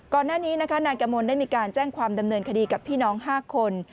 ก่อนหน้านี้นะคะนายกมลได้มีการแจ้งความดำเนินคดีกับพี่น้อง๕คน